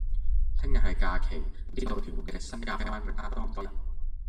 聽日係假期，唔知道屯門嘅新咖啡灣泳灘多唔多人？